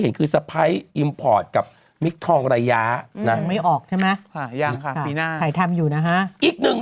เห็นคือสไพซ์อิมพอร์ตกับมิคทองระยาไม่ออกใช่ไหมอีกหนึ่ง